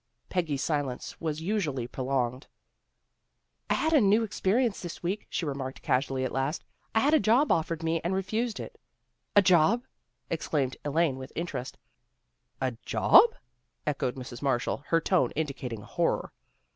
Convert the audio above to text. Peggy's silence was unusually prolonged. " I had a new experience this week," she re marked casually at last. " I had a job offered me and refused it." " A job? " exclaimed Elaine with interest. " A job? " echoed Mrs. Marshall, her tone indicating horror.